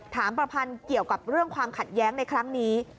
ถามประพันธ์เกี่ยวกับเรื่องความขัดแย้งในครั้งนี้